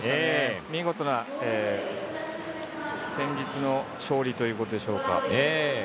見事な戦術の勝利ということでしょうか。